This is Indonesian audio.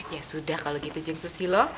ya sudah kalau gitu jeng susilo